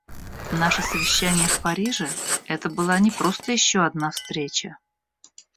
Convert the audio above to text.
Наше совещание в Париже − это была не просто еще одна встреча.